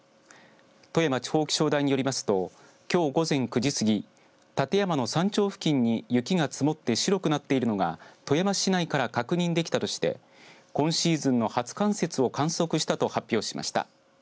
富山地方気象台によりますときょう午前９時過ぎ立山の山頂付近に雪が積もって白くなっているのが富山市内から確認できたとして今シーズンの初冠雪を観測したと発表しました。